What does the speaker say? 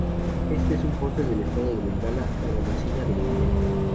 Este es un postre del estado de Bengala, la golosina de India.